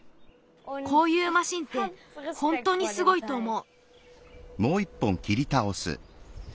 こういうマシンってほんとにすごいとおもう。